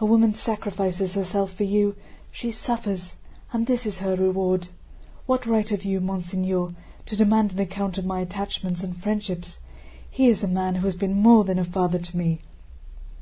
A woman sacrifices herself for you, she suffers, and this is her reward! What right have you, monseigneur, to demand an account of my attachments and friendships? He is a man who has been more than a father to me!"